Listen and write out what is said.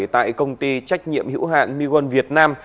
tại công ty trách nhiệm hữu hạn miwan việt nam